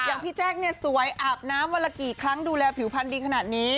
พี่แจ๊คเนี่ยสวยอาบน้ำวันละกี่ครั้งดูแลผิวพันธ์ดีขนาดนี้